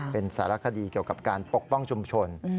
เป็นสารคดีเกี่ยวกับการปกป้องชุมชน